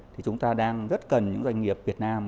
thì chúng ta đang rất cần những doanh nghiệp việt nam